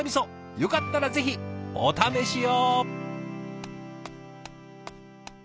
よかったらぜひお試しを。